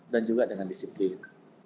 dan juga dengan disiplin